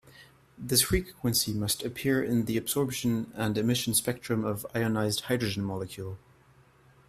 This frequency must appear in the absorption and emission spectrum of ionized hydrogen molecule.